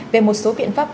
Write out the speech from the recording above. về một số biện pháp